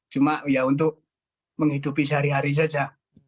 cuma ya untuk menghidupi sehari hari saja